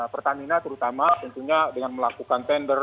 pertamina terutama tentunya dengan melakukan tender